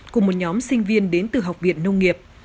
cùng một nhóm sinh viên đến từ học viện nông nghiệp